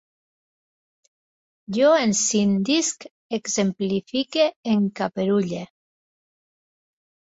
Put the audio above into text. Jo escindisc, exemplifique, encaperulle